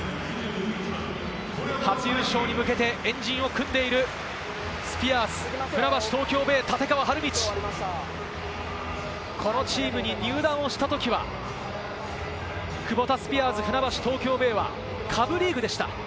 初優勝に向けて円陣を組んでいるスピアーズ船橋・東京ベイの立川理道、このチームに入団をしたときは、クボタスピアーズ船橋・東京ベイは下部リーグでした。